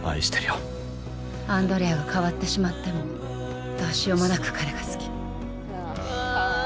アンドレアが変わってしまってもどうしようもなく、彼が好き。